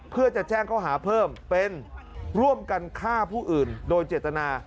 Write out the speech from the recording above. เพื่อจะแจ้งเขาหาเพิ่มเป็นร่วมกันฆ่าผู้อื่นโดยเจตนา